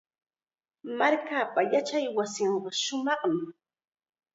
Markaapa yachaywasinqa shumaqmi.